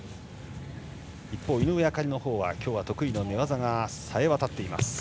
一方、井上あかりのほうは今日は得意の寝技がさえ渡っています。